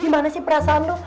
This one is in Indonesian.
gimana sih perasaan lu